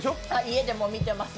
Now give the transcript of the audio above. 家でも見てます。